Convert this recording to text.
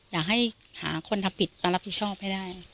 อยากให้หาคนทำผิดมารับผิดชอบให้ได้